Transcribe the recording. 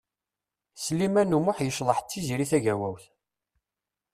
Sliman U Muḥ yecḍeḥ d Tiziri Tagawawt.